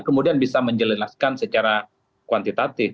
kemudian bisa menjelaskan secara kuantitatif